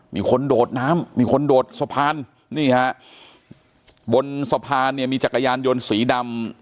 มีคนโดดน้ำมีคนโดดสะพานนี่ฮะบนสะพานเนี่ยมีจักรยานยนต์สีดำ